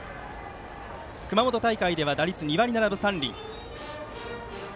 熊本大会では打率２割７分３厘。